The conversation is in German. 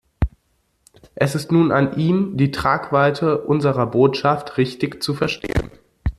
Es ist nun an ihm, die Tragweite unserer Botschaft richtig zu verstehen.